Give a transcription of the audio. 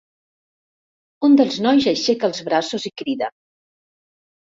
Un dels nois aixeca els braços i crida.